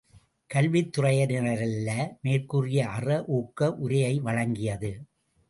கல்வித் துறையினரல்ல, மேற் கூறிய அற, ஊக்க உரையை வழங்கியது.